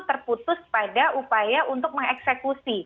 terputus pada upaya untuk mengeksekusi